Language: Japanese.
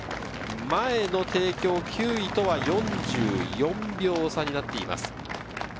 前の帝京、９位とは４４秒差になっています。